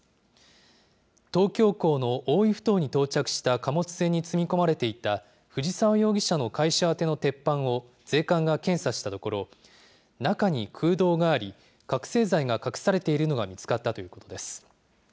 東京港の大井ふ頭に到着した貨物船に積み込まれていた藤澤容疑者の会社宛ての鉄板を税関が検査したところ、中に空洞があり、覚醒剤が隠されているのが見つかったということです。